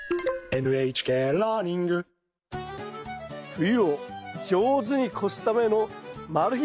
冬を上手に越すためのマル秘